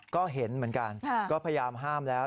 ก็เห็นเหมือนกันก็พยายามห้ามแล้ว